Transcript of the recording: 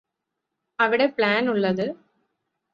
അവിടെ പ്ലാൻ ഉള്ളത്